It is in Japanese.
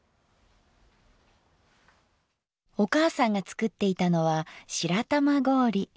お母さんが作っていたのは白玉氷。